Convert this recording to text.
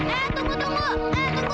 eh tunggu tunggu eh tunggu dong